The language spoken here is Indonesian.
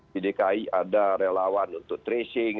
di dki ada relawan untuk tracing